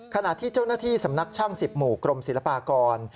ขณะที่เจ้าหน้าที่สำนักช่าง๑๐หมู่กรมศิลปากร